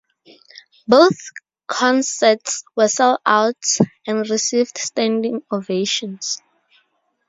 Both concerts were sell-outs and received standing ovations.